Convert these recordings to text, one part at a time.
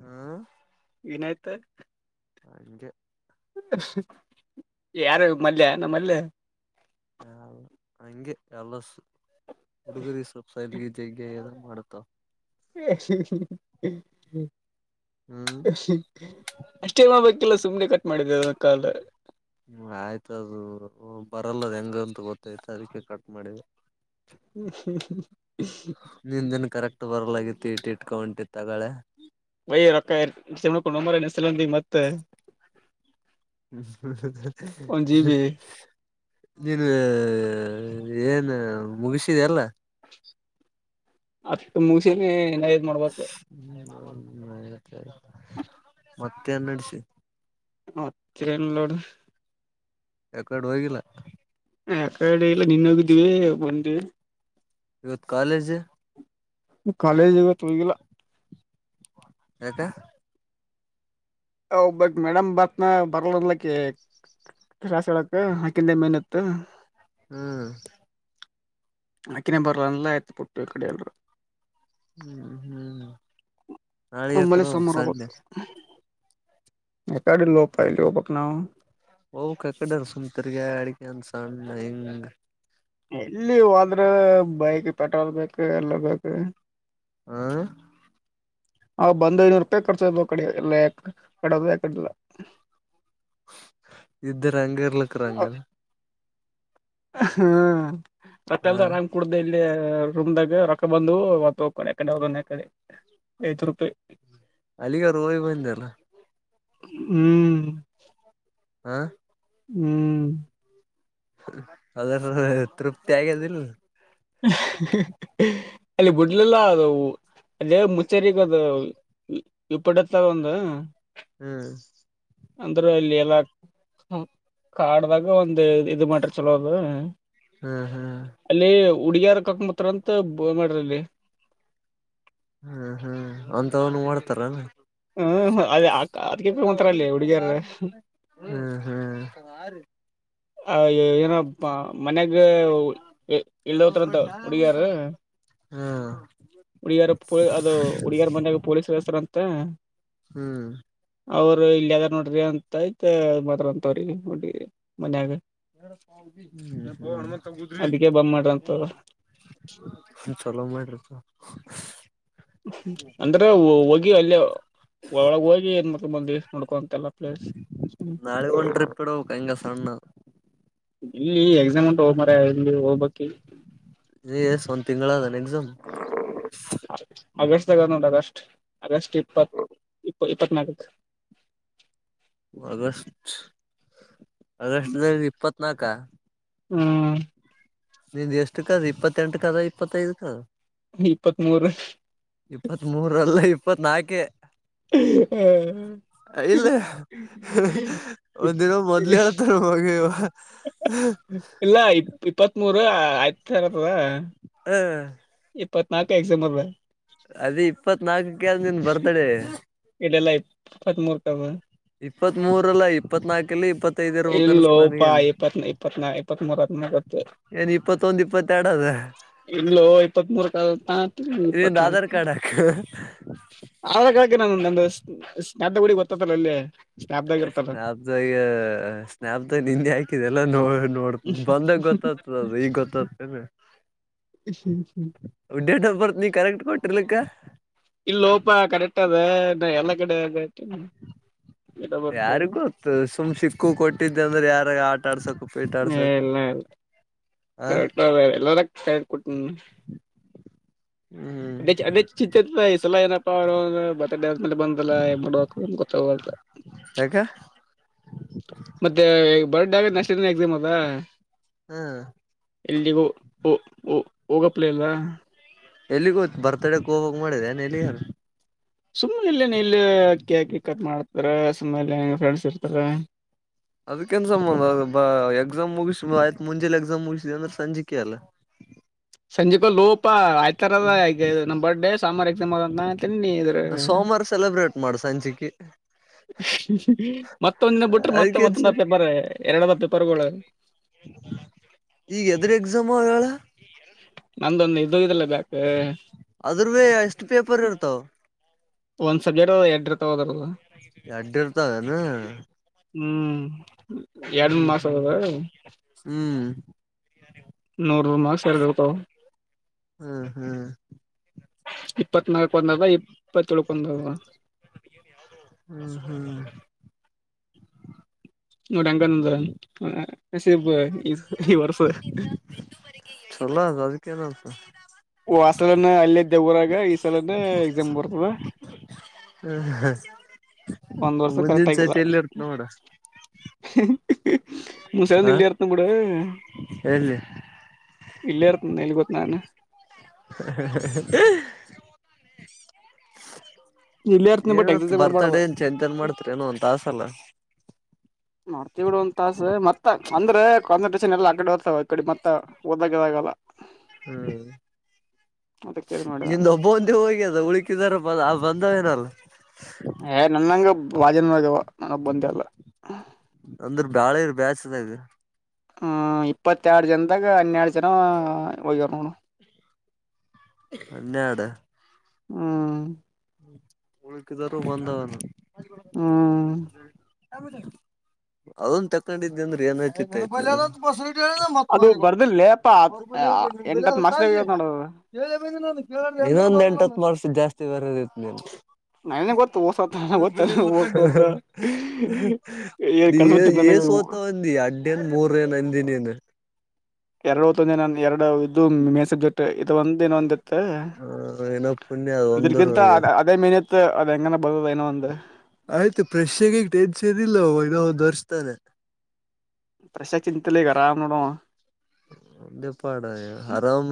ಹ್ಮ್ ಇನಾಯತ್ ಹಂಗೆ ಯಾರು ಮಲ್ಯ ನ ಮಲ್ಯ ಆ ಹಂಗೆ ಎಲ್ಲ [unintelligible] ಹಡ್ಗರಿಗೆ ಸಪ್ ಸಲ್ಗೆ [unintelligible] ಮಾಡುತ್ತಾ [inaudible] ಹ್ಮ್ ಅಷ್ಟೇಲ್ಲ ಗೊತ್ತಿಲ್ಲ ಸುಮ್ಮ್ನೆ ಕಟ್ ಮಾಡಿದ್ದ ಮತ್ತೆ ಕಾಲ್ ಹ್ಮ ಆಯ್ತದು ಬರಲ್ಲದ ಹೆಂಗಂತ ಗೊತ್ತಾಯ್ತ ಅದಕ್ಕೆ ಕಟ್ ಮಾಡಿದೆ. ನಿ ದಿನ ಕರೆಕ್ಟ್ ಬರ್ಲಾಗಿತ್ತು ಇಟಿ [unintelligible] ಒಯ ರೊಕ್ಕ [unintelligible] ಸಲಂದಿ ಮತ್ತೆ ಒಂದ್ ಜಿ [unintelligible] ಬಿ ನೀನು ಹೇ ಹೇ ಏನ ಮುಗಿಸಿದೆ ಎಲ್ಲ ಹತ್ತು ಮುಗ್ಸಿದಿನ್ ಇನ್ನ ಐದ್ ಮಾಡ್ಬೇಕ್ [inaudible] ಮತ್ತೆ ನಡ್ಸಿ [unintelligible] ಯಕಡ್ ಹೋಗಿಲ್ಲ. ಯಕಡೆ ಇಲ್ಲ ನಿನ್ ಹೋಗಿದ್ದೀವಿ ಬಂದ್ವಿ ಇವತ್ ಕಾಲೇಜ್ ಕಾಲೇಜ್ ಇವತೋಗಿಲ್ಲ ಎಕ್ಕ. ಒಬ್ಬಕಿ ಮೇಡಮ್ ಬತ್ನಾ ಬರಲ್ಲ ಅಂದ ಅಕ್ಕಿ. ಕ್ಲಾಸ್ ಹೇಳಕ್ ಅಕ್ಕಿಂದ ಮೇನ್ ಇತ. ಹ್ಮ್. ಆಕಿನೇ ಬರಲ್ಲ ಆಯತ ಪುಟ್ಟು ಈ ಕಡೆ ಎಲ್ರು ಹ್ಮ್ ಹ್ಮ್ ನಾಳೆಯ ಒಮ್ಮೇಲೆ ಯಕಡೋಗ್ಬೇಕ್ ಸಂಡೆ ಎ ಕಡೆಲಿ ಹೊಗ್ಬೇಕ್ ನಾವು [unintelligible] ಹೋಗ್ಬೇಕು ಸುಮ್ಕೆ ಆಕಡಿಕೆ ತಿರ್ಗ್ಯಡ್ ಕಂಡ್ [unintelligible] ಎಲ್ಲಿ ಹೋದ್ರೆ ಬೈಕ್ ಪೆಟ್ರೋಲ್ ಬೇಕು ಎಲ್ಲ ಬೇಕು. ಹ ಹ ಬಂದ್ ಐನೂರು ರೂಪಾಯಿ ಖರ್ಚ್ ಕಡೆ ಎಲ್ಲ ಯ ಕಡದ ಯಕಡೆಲ್ಲ. ಇದ್ದ ರಂಗ ಇರ್ಲಿಕ್ಕ್ರಾಂಗ. ಹ್ಮ ಮತ್ತೆ ಹಾ [unintelligible] ಕುಡ್ದ ಇಲ್ಲಿ ರೂಮ್ದಗ ರೊಕ್ಕ ಬಂದು ಹೊತ್ತು ಹೋಗಕೊಂಡು ಎಕೊಂಡ [unintelligible] ಅಲ್ಲಿಗ ರೂಮಿಗೆ ಬಂದಿ ಏನ. ಹ್ಮ್. ಆ. ಹ್ಮ್. ಅದರದ ತೃಪ್ತಿ ಆಗೇದ ದಿಲ್. ಅಲ್ಲಿ ಬುಡ್ಲೆಲ್ಲ ಅದು. ಅದೇ ಮುಚ್ಚರಿಗ ಅದು ಇಪಡತ್ತ ಒಂದ. ಹ್ಮ್. ಅಂದ್ರರ ಅಲ್ಲಿ ಎಲ್ಲ ಕಾಡ್ದಾಗ ಒಂದ. ಇದು ಮಾಡರ್ ಚಲೋ ಅದ ಹ್ಮ್ ಹ್ಮ್ ಅಲ್ಲಿ. ಹುಗಿಯಾರ ಕಕಂಬತ್ರಂತ ಬ ಮಾಡಿರಲ್ಲಿ. ಹ್ಮ್ ಹ್ಮ್ ಅಂತ ಅವ್ನು ಮಾಡ್ತಾರನ್. ಹ್ಮ್ ಹ ಅಲ್ಲಿ ಅದ್ಕ ಹು ಅನಂತರ ಅಲ್ಲ ಹುಡಿಗ್ಯಾರ್. ಹ್ಮ್ ಹ್ಮ್ ಯ [unintelligible] ಆ ಏನೋಪ್ಪಾ ಮನ್ಯಾಗ ಯ ಎಲ್ಲಿ ಹೋತರ ಅಂತ ಹುಡಿಗ್ಯಾರ. ಹ್ಮ. ಪೊ ಅದು ಹುಡುಗಿಯರ ಮನ್ಾಗ ಪೊಲೀಸ್ ಕಳಿಸ್ತಾರ ಅಂತ. ಹ್ಮ್. ಅವರು ಇಲ್ ಅದಾರ ನೋಡ್ರಿ ಅಂತ ಆಯ್ತ ಮಾಡ್ರ ಅಂತ ಅವರಿಗೆ [unintelligible] ಮನ್ಯಾಗ. [unintelligible] ಹಣ್ಮತ್ ಅದಕ್ಕೆ ಬಂದ್ ಮಾಡ್ರಂತ ಅವ್ರು. [unintelligible] ಚಲೋ ಮಾಡಿರಿ. ಅಂದ್ರ ಓಗಿ ಅಲ್ಲಿ ಒಳಗ ಹೋಗಿ ಮಾಡ್ಕೊಂಡ ಬಂದಿವಿ. ನೋಡ್ಕೊಂತ್ ಎಲ್ಲಾ ಪ್ಲೇಸ್. ನಾಳೆ ಒಂದ್ ಟ್ರಿಪ್ ಇಡ್ಬೇಕ್ ಹಂಗ ಸಣ್ಣ ಇಲ್ಲಿ ಎಕ್ಸಾಮ್ ಉಂಟ ಓ ಮಾರಾಯ [unintelligible] ಹೋಗ ಬೇಕ್ ಈಗ. ಇನ್ನ ಎಸ್ ಒಂದು ತಿಂಗಳ ಆದ ಏನ ಎಕ್ಸಾಮ್. [unintelligible] ಅಗಸ್ಟ್ ದಾಗದ ನೋಡ ಅಗಸ್ಟ್. ಆಗಸ್ಟ್ ಇಪ್ಪತ್ ಇಪ್ಪ ಇಪ್ಪನಾಲ್ಕಕ. August August ದಗ ಇಪ್ಪತ್ನಾಕ. ಹ್ಮ. ನಿಂದ್ ಎಷ್ಟಕ ಅದ ಇಪ್ಪತ್ತೆಂಟ ಕದ ಇಪ್ಪತ್ತೈದ ಕದ. ಇಪ್ಪತ್ಮೂರು ಇಪ್ಪತ್ ಮೂರ ಅಲ್ಲ ಇಪ್ಪತ್ ನಾಲ್ಕೆ ಕೆ. [unintelligible] ಇಲ್ಲ ಒಂದಿನ ಮೊದ್ಲ ಇಪ್ ಅದ ಹೋಗಿವಿ. ಇಲ್ಲ ಇಪ ಇಪ್ಪತ್ತ್ ಮೂೂರು ಆಯ್ತಾರಾ ಅತದ. ಇಪ್ಪತನಾಲ್ಕ ಕ ಎಕ್ಸಾಮ್ ಅದ. ಅದ ಇಪ್ಪತ್ ನಾಲ್ಕ ಕ್ಕೆ ಆದ ನಿನ್ ಬರ್ತಡೆ. ಇಲ್ಲೆಲ್ಲಾ ಇಪ್ಪತ್ತ್ ಮೂೂರು ಕ ಅದ. ಇಪ್ಪತ್ತ್ ಮೂರಲ್ಲ ಇಪ್ಪತ್ನಾಲ್ಕು. ಇಲ್ಲೋಪಾ ಇಪ್ಪತ್ ಇಪ್ಪತ್ನಾ ಇಪ್ಪತ್ತ್ ಮೂರ ಅಂತ ನ ಗೊತ್ತ. ಏನ್ ಇಪ್ಪತ್ತೊಂದು ಇಪ್ಪತ್ತೆರಡು ಅದ ಇಲ್ಲೋ ಇಪ್ಪತ್ತ್ ಮೂರಕ ಅದ ಅಂತ ನಾ ಅನಂತಿನಿ ನಿ ನಿಂದ್ ಆಧಾರ್ ಇಪ್ಪತನಾಲ್ಕ. ಕಾರ್ಡ್ ಹಾಕ್ ಅಳಕ ಅಳಕ ನಾನ ನಂದ [unintelligible] ಗುಡಿ ಗೊತ್ತ ಅದಲ ಅಲ್ಲೇ. ಸ್ನ್ಯಾಪ್ದಾಗೆ ಸ್ನಾಪ್್ದಾಗ ನಿಂದೆ ಹಾಕಿದೆಲ್ಲ ನೋಡ. ನೋಡ್ತ ಬಂದ ಗೊತ್ತ್ತದ ಅದ ಈಗ್ ಗೊತ್ತತೇನ. ಡೇಟ್ ಆಫ್ ಬರ್ತ್ ನೀ ಕರೆಕ್ಟ್ ಕೊಟ್ಟಿರ್ಲಿಕ್ಕ. ಇಲ್ಲೋಪ ಕರೆಕ್ಟ್ ಅದ ನಾ ಎಲ್ಲ ಕಡೆ ಅದೆ. [unintelligible] ಯಾರಿಗ ಗೊತ್ತು ಸುಮ್ ಸಿಕ್ಕು ಕೊಟ್ಟಿದ್ದೆ ಅಂದ್ರೆ ಯಾರ ಆಟ ಆಡ್ಸಕ್. ಇಲ್ಲ ಇಲ್ಲ ಹ ಕರೆಕ್ಟೇರೆ ಎಲ್ಲ ಡ್ ಕೊಟ್ಟ ಹ್ಮ್ ಅದ ಅದೇ ಚಿ ಈ ಸಲ ಏನಪ್ಪಾ ಅವರು ಬಡ ಮೇಲೆ ಬಂದಲ್ಲ ಮಾಡಬೇಕಕ್ ಗೊತ್ತಂತ ಹಕ ಬರ್ಡ್ಗ ನೆಷ್ಟಟ್ಿನ ಎಕ್ಸಾಮ್ ಅದಾ ಹಾ ಎಲ್ಲಿಲ್ಲಿಗೋ ಓ ಓಹ ಹೋಗಪ್ಲೆ ಎಲ್ಲ ಎಲ್ಲಿಗೋತ್ತು ಬರ್ತಡಕ್ ಹೋಗಾಗ ಮಾಡಿದೆ ಏ ಎಲ್ಲಿಗಾರ ಸುಮ್ಮ್ನೆ ಎಲ್ಲನ ಇಲ್ಲಿ ಕ್ಯಾಕಿ ಕಟ್ ಮಾಡ್ತಾರ ಸುಮ್ಮನೆ ಫ್ರಂಡ್ಸ್ ಅದಕ್ಕೆೇನ್ ಸಂಬಂಧ ಅ ಬ ಎಕ್ಸಾಮ್ ಮುಗ ತು ಆಯ್ತು ಮುಂಜೆಲಿ ಎಕ್ಸಾಮ್ ಮುಗಿದೆ ಅಂದ್ರೆ ಸಂಜಿಕೆ ಅಲ್ಲ ಸಂಜೆಕೋ ಲೋಪ ಆಯ್ತ ತರದ ನಮ್ ಬರ್ಡೇ ಸಂಬಾರು ಎ ತಿನ್ನಿ ಇದ್ರ ಮಡಸಂಚೆಕ ಮತ್ತೊಂದ ದಿನ ಬಿಟ್ರೆ ಮತ್ತೆ ಅದಕ್ಕೆ ಮತ್ತೊಂದ ಪೇಪರ ಎರಡದ ಪೇಪರ್ಗಳ ಈಗ ಎದ್ರ ಎಕ್ಸಾಮ್ ಅವ ಹೇಳಳ ನಂದೊಂದು ಇದದುೋಗ್ರಲ್ಲ ಬ ಅದ್ರ ಎಷ್ಟು ಪೇಪರ್ ಇರ್ತಾವ ಒಂದ್ ಸಬ್ಜೆಟ್ ಎರಡರ್ ತಗೋದ ಅಡ್ಡರ್ತಾವನ ಹ್ಮ್ ಎರಡ್ ಮಾಸ ಅದ ಹ್ಮ್ ನೂ ಹ ಮ ಸರ್ಗತ ಹ್ಮ್ ಹ್ಮ್ ಇಪ್ಪತ್ನಾಲ್ಕು ನಲ್ ಇಪ್ಪತ್ತು ರಕಂಗ ಹ್ಮ್ ಹ್ಮ್ ನೋಡಿ ಅಂಗನಂದಸೀಬ್ ಈ ಈ ವರ್ಷ ಚಲ ಅದು ಅದಕ್ಕೇನನ್ಸ ಓ ಆ ಸಲನ ಅಲ್ಲೇ್ದೆವರಾಗ ಈ ಸಲನ ಎಕ್ಸಾಮ್ ಬರ್ತದ ಹ ಒಂದ್ ವರ್ಷ ಮುಂದಿನ ಸತಿ ಎಲ್ಲಿರ್ತ ನೋಡ ಮುಸಾದ ಹ ನಲ್ಲಿಯ ಅರ್ಥ ಕೂಡ ಎಲ್ಲಿ ಇಲ್ಲೇ ಇರ್ತ ಎಲ್ಲಿ ಗೊತ್ ನಾನು ಹ ಇಲ್ಲೇ ಇರ್ತನ ಏನ ಬಟ್ ಎಕ್ಸಾಮ್ ಬರ್ತಾಡ ಬರ್ಬಾರ್ದ ನ್ ಚನ್ ಏನ್ ಮಾಡ್ತರಿ ಏನೋ ಒಂದ ತಾಸ ಅಲ್ಲ ನ್ತಿವಿ ಒಂದ ತಾಸ ಮತ್ತ ಅಂದ್ರೆಂದ ಟನ್ ಎಲ್ಲ ಆಗಡೆ ಬರ್ತವ ಅ ಕಡೆ ಮತ್ತ ಓದಾಗಿದಾಗಲ್ಲ ಹ್ಮ ಅದಕ್ಕೆ ಇದ್ ಮಾಡಿದಾಗ ನಿಂದ ಒಬ್ಬ ಒಂದೇ ಹೋಗಿ ಅದ ಉಳಕಿದಾರ ಬಂದವೇನಲ್ಲ ಏ ನನ್ಂಗ ಭಾಜನ್ವ ಅಂದ್ರ ಬಾಳ ಇರು ಬೇಸ್ತ ಇ ಹ್ಮ ಇಪ್ಪತ್ತೆರಡು ಜನದಾಗ ಹನ್ನೆರಡು ಜನ ಹೋಗಾರ್ ನೋಡು ಹನ್ನೆರಡು ಹ್ಮ ಉಳಕಿದರೂವ ಬಂದವನ ಹ್ಮ್ ಅದೊ ತಕೊಂಡಿದೆ ಅಂದ್ರೆ ಏನ್್ತಿ ಅದು ಮತ ಬರ್ದಿಲ್ಲೇಪ್ಪಾ ಎಂಟತ್ ಸತ ಮಾರ್ಕ್ಸ್ದಾಗ ನೋಡ ಇನ್ನೊಂದ ಎಂಟತ್ ಮಾಡ್ಸಿದ್ ಜಾಸ್ತಿ ಬರದಿತ್ತು ನೀನ್ ನನಗೆ ಗೊತ್ತು ಓಸತ್ತ ಗೊತ್ತ ಓಸತ್ತ ಏನ್ ಕನ್ಸಬಿಡ್ತ ಏ ನನಗ ಸೋತಂದಿ ಅಡ್ ಏನ್ ಮೂರ ಏನ್ ಅಂದ ನೀನ್ ಎರಡು ಹೊತ್ತು ಒಂದ ನ ಎರಡು ಇದು ಮೇನ್ ಸಬ್ಜೆಕ್ಟ್ ಇದು ಒಂದ ಇನೊಂದಿತ್ತು ಹ ಏನೋ ಪುಣ್ಯ ಅದು ಇದ್ರಗಿಂತ ಒಂದೂವರೆವರೆಗೆ. ಅದೇ ಮೇನತ್ ಅದ ಹೆಂಗನ ಬರದ ಏನೋ ಒಂದು ಆಯ್ತು ಪ್ರೆಶ್ಗೆಗ ಟೆನ್ಸ್ ಇರ್ಿಲ್ಲ ಅವಾಗ ತೋರಿಸ್ತಾರೆ ಪ್ರಸಾ ಚಿಂತಯಿಲ್ಲ ಅರಾಮ ನೋಡ ಅವ ಅವಂದೆ ಪಾಡ ಆರಾಮ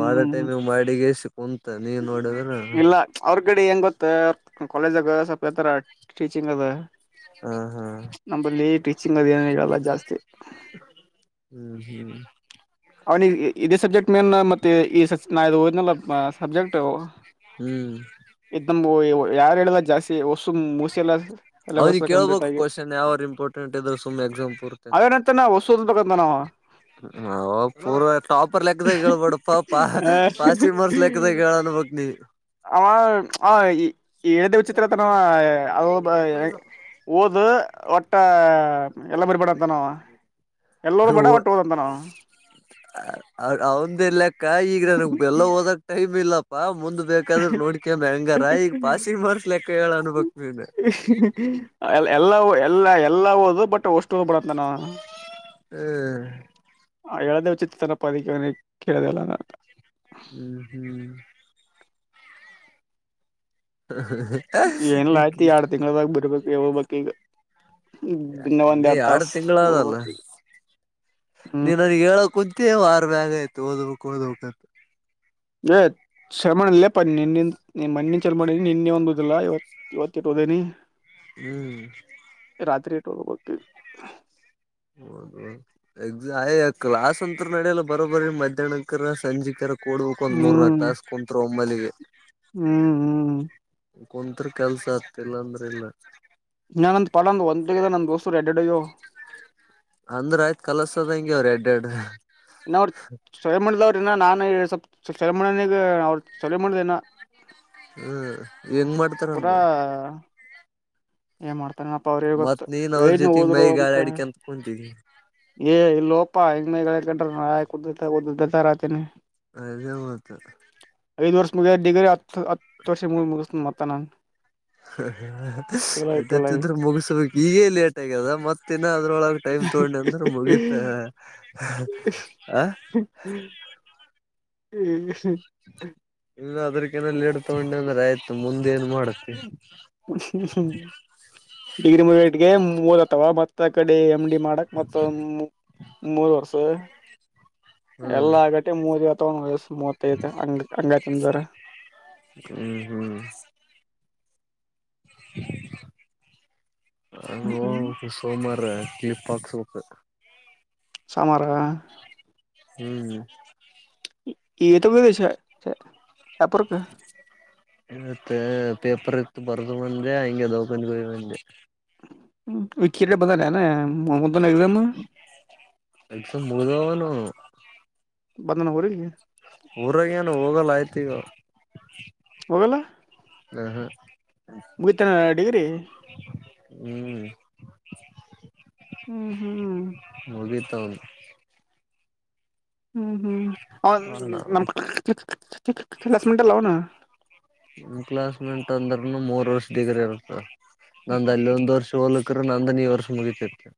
ಮಾಡೋ ಟೈಮ ಮಾಡಿಗೆಸಿ ಕುಂತ ನೀವ್ ನೋಡಿದ್ರ ಇಲ್ಲ ಅವ್ರ ಕಡೆ ಹೆಂಗ ಗೊತ್ತ ಕಾಲೇಜಗ ಸ್ಪಲ್ಪ ಹೇಳತ್ತಾರ ಟೀಚಿಂಗ ಅದು ಹ ಹಾ ಟೀಚಿಂಗ್ ಅದ ಏನ ಹೇಳಲ್ಲ ಜಾಸ್ತಿ ಹ್ಮ್ ಹ್ಮ ಅವನಿಗೆ ಇದೇ ಸಬ್ಜೆಕ್ಟ್ ಮೇನ್ ಮತ್ತೆ ಈ ನಾ ಓದಿನಲ್ಲ ಸಬ್ಜೆಕ್ಟ್ ಹ್ಮ್ ನಮಬುವ ಯಾರು ಹೇಳಿಲ್ಲ ಜಾಸ್ತಿ ಹೊಸು ಮೂಸೆಲ್ಲ ಅವರಿಗ ಕೇಳ್ಬೇಕು ಕ್ವಶನ್ ಯಾವ್ರ ಇಂಪಾರ್ಟೆಂಟ್ ಇದ್ರರು ಸುಮ್ಮ್ನೆ ಎಕ್ಸಾಮ್ ಪೂರ್ತೆ ಅವೇನಂತ ನಾ ಹೊಸು ಓದ್ಬೇಕಂತ ನಾವ ಹೌ ಪೂರ್ ಟಾಪರ್ ಲೆಕ್ದಾಗ ಹೇಳ್ಬೇಡಪ್ಪಾ ಪ ಆ ಪಾಸಿಂಗ ಮಾರ್ಸ್ ಲೆಕ್ಕದಾಗ ಹೇಳ ಅನ್ಬಕ್ ನೀ ಅವ ಅವ ಈ ಎಳದ ವಿಚಿತ್ರ ತನ ಅವ ಓದು ಒಟ್ಟ ಎಲ್ಲ [unintelligible] ಎಲ್ಲರೂ ಬಡ ಒಟ್ಟು ಹೋದಂತನ ಅವಂದ ಏನ್ ಲೇಕ್ಕ ಈಗ ನನಗ್ ಎಲ್ಲ ಓದಕ್ ಟೈಮ್ ಇಲ್ಲ ಬಾ ಮುಂದ್ ಬೇಕಾದ್ರರು ನೋಡ್ಕಮ್ಮ ಹೆಂಗಾರ ಈಗ ಪಾಸ್ ಎಲ್ಲ ಎಲ್ಲ ಎಲ್ಲ ಓದು ಬಟ್ ಒಷ್ಟು ಓದ್ ಬೇಡಂತ ನ ಹ್ಮ್ ಹೇಳದೇ ವಿಚಿತ್ರ ತನ ಪದಕನ ಕೇಳಿದೆಲ್ಲ ಹ್ಮ್ ಹ್ಮ್ ಏನ್ಲಿ ಆಯ್ತಿ ನಿಕ್ಕಿ ಎರಡ್ ತಿಂಗಳದಾಗ ಬರ್ಬೇಕು ಹೋಗಬೇಕ ಈಗ ದಿನ್ನ ಒಂದ್ ಅಣ್ಣೆ ಎರಡ ತಾಸ ಓದಬೇಕ ನೀನ್ನ್ಗೆ ಹೇಳಕ್ ಕುಂತ ವಾರ ಮ್ಯಾಗ ಆಯ್ತು ಓದ್ಬೇಕ್ ಓದ್ಬೇಕ್ಂತ ಏ ಶರಮಲ್ಲ ನಿನ್ನ ಮಣ್ಣಿನ ಚರ್ಮ ನಿನ್ನೆ ಒಂದುದಿಲ್ಲವ ಇವತ್ತು ಅದ ನೀ ಹ್ಮ್ ರಾತ್ರಿಯಿಟ್ಟ ಓದಬೇಕ ಹೌದ ಎಯ ಕ್ಲಾಸ್ ಅಂತ ನಡಿಯಲ್ಲ ಬರೋಬರಿ ಮಧ್ಯಾಹ್ನಕರ ಸಂಜೆ ಕರ ಕೊಡ್ಬೇಕ್ ಒಂದ್ ಮೂರ್ನಾಕು ಹ್ಮ್ ತಾಸ ಕುಂತರ ಒಮ್ಮಲಿಗೆ ಹ್ಮ್ ಹ್ಮ್ ಕೊಂತ್ರ ಕೆಲ್ಸ ಆಗ್ತಿಲ್ಲ ಅಂದ್ರ ಇಲ್ಲ ನಾನ ಅಂದ ಪಡ ಅಂತ ಒಂದುದ ಅಂದ ದೋಸ್ತರು ರೆಡ್ಡೆಯೋ ಅಂದ್ರ ಆಯ್ತ್ ಕಲಸತದ ಹಂಗೆ ಅವ್ರ ಎಡ್ ಎರಡ್ ಇನ್ನ ಅವರ ಸ್ವಯಂ ಮುಣದವ್ರ ಇನ್ನ ನಾನು ಸ್ವಲ್ಪ ಚಲೋ ಮಾಡೀನಿ ಚಲೋ ಮಾಡಿಲ್ಲ ಹ್ಮ ಹೆಂಗ್ ಮಾಡ್ತಾರಮ್ಮ ಏನ್ ಮಾಡ್ತಾರನಪ್ಪ ಅವ್ರ ಮತ್ ಗೊತ್ತು ನೀನ್ ಅವ್ರ ಏನು ಜೊತೆ ಮೈ ಹೋದ್ರು ಗಾಳಿ ಅಂತ ಆಡಿಕಂತ ಕುಂತಿದಿ ಏ ಲೋಪಡ ಕುುತ್ತ ಕುದುತ್ತ ರಾಜತ್ನೆ ಅದೇ ಮತ್ತ ಐದು ವರ್ಷ ಮುಗಿದ ಡಿಗ್ರಿ ಹತ್ತು ಹತ್ತು ವರ್ಷ ಮುಗ ಮುಗಿಸ್ ಮತ್ತ ನಾನು ಎಟ್ಟತ್ತಿದ್ರೆ ಮುಗಸಬೇಕು ಈಗೇ ಲೇಟ್ ಆಗ್ಯದ ಮತ್ತ ಇನ್ನ ಅದ್ರೊಳ ಟೈಮ್ ತೊಗಂಡ ಅಂದ್ರೆ ಮುಗಿತ ಆ ಹ್ಮ ಇಲ್ಲ ಅದ್ರಕಿನ ಲೇಟ ತೊಗೊಂಡಿ ಅಂದ್ರೆ ಆಯ್ತ ಮುಂದೆ ಏನ್ ಮಾಡತಿ ಡಿಗ್ರಿ ಮುಗಟ್ಗೆ ಮೂ ಅವಾ ಮತ್ತ ಕಡೆ ಎಮ್ ಡಿ ಮಾಡಕ್ ಮತ್ತಂದ ಮೂರ್ ವರ್ಸ ಹ್ಮ್ ಎಲ್ಲ ಆಗಟ್ಟೆ ಮೂದ ಅ ತಗೊಂಡ ವಯಸ್ಸ ಮೂವತ ಇದು ಅಂಗ ಅಂಗಚಂದರ ಹ್ಮ್ ಹ್ಮ್ ಸೋಮಾರ ಅಂದ್ರ ಕ್ಲಿಪ್ ಹಾಕಿಸಬೇಕು ಸಮಮರ ಹ್ಮ್್ಮ ಏತ ಎಪರಕ್ಕ ಮತ್ತ ಪೇಪರ್ ಇತ್ತು ಬರ್ದು ಮಂದೆ ಹಿಂಗೆದಕೊಂಡ್ ಹೋಗ ಮಂದೆ ವಿಖಿ ಬಂದ ಮಮ್ಮದನದಾಮ ಎಕ್ಸಾಮ್ ಮುಗ್ದವ ನೋವು ಬಂಧನ ಹರ ಊರಾಗ ಏನು ಹೋಗಲ್ಲ ಆಯ್ತಿ ಈಗ ಹೋಗಲ್ಲ ಹ ಹ ಮುಗಿತನ ಡಿಗ್ರಿ ಹ್ಮ್ ಹ್ಮ್ ಹ್ಮ್ ತೋಂದು ಹ್ಮ್ ಹ್ಮ್ ನಮ್ ಕ್ಲಾಸ್ಮೇಟ್ ಅಲ್ಲ ಅವನು ಕ್ಲಾಸ್ಮೆಂಟ್ ಅಂದ್ರನು ಮೂರ್ ವರ್ಷ ದಗ್ರ ಇರುತ ನಂದ ಅಲ್ಲಿ ಒಂದ್ ವರ್ಷ ಹೋಲಕ್ರ ನಂದನ್ ಈ ವರ್ಷ ಮುಗತಿತೆ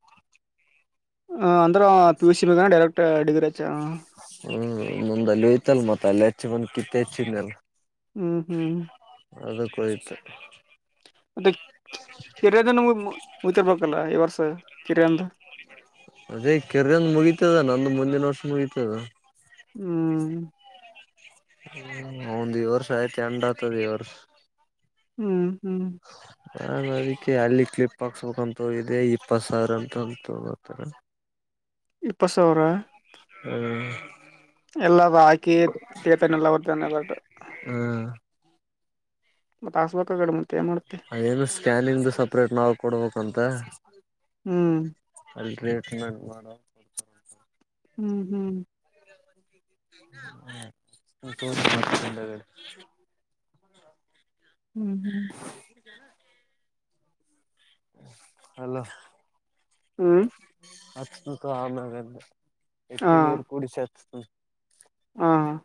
ಅಂದರ ಪಿಯೂಷಿಿನದನೆ ಡೈರಕ್ಟ್ರ್ ಡಿಗ್ರಿ ರಚ್ಚ ಹ್ಮ್ ಮುಂದ ಅಲ್ಲಿ ಹೋಯ್ತಲ್ ಮತ್ತ ಅಲ್ಲಿ ಹೆಚ್ಚ ಬಂದ ಕಿತ್ತ ಹೆಚ್ಚಿದಲ್ಲ ಹ್ಮ್ ಹ್ಮ್ ಅದಕ್ಕಯ್ಿತು ಮತ್ತೆ ಕೆರಿಯದ ನಮ ಮುಚ್ಚಿರ್ಬೇಕಲ್ಲ ಈ ವರ್ಷ ಕಿರಿಯಂದ ಅದೇ ಕೆರ್ಗನ್ ಮುಗಿತದ ನಂದು ಮುಂದಿನ ವರ್ಷ ಮುಗಿತದ ಹ್ಮ್ ಹಂದ್ ಈ ವರ್ಷ ಆಯ್ತಿ ಎಂಡ ಆತದ ಈ ವರ್ಷ ಹ್ಮ್ ಹ್ಮ್ ನಾನನ್ ಅದಕ್ಕೆ ಅಲ್ಲಿ ಕ್ಲಿಪ್ ಹಾಕ್ಸ್ಬೇಕಕ್ಂತ ಹೋಗಿದೆ ಇಪ್ಪತ್ ಸಾವಿರ ಅಂತ ಅಂತ ತಗತಾರೆ ಇಪ್ಪ ಸಾವಿರ ಹ್ಮ್ ಎಲ್ಲ ಹಾಕಿ ತೇತಾನ ಎಲ್ಲ ಬರ್ತಾನ ಎಲ್ಲು ಹ್ಮ್ ಮತ್ತಾಸ್ಮ ಅದೇನು ಸ್ಕ್ಯಾನಿಂಗ್ದ ಸಪ್ರೇಟ್ ನಾವ್ ಕೊಡ್ಬೇಕಂತ ಹ್ಮ್ ಅಲ್ ರೇ ಮಾಡ ಹ್ಮ್ ಹ್ಮ್ ಹಂಡ ಹ್ಮ್ ಹ್ಮ್ ಅಲೋ ಹ್ಮ್ ಹ ಕಾಮ ಎತ್ತ ನೀರು ಕುೂಡ ಸತ. ಹ್ಮ್ಮ್.